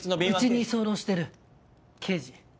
うちに居候してる刑事。